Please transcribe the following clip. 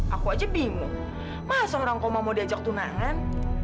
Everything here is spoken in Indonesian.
aku aja bingung masa orang koma mau diajak tunangan